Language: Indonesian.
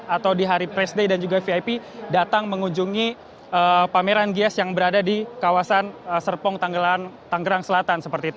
atau di hari press day dan juga vip datang mengunjungi pameran gias yang berada di kawasan serpong tanggerang selatan